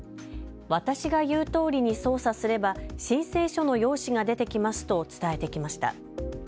私が言うとおりに操作すれば申請書の用紙が出てきますと伝えてきました。